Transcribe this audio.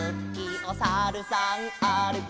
「おさるさんあるき」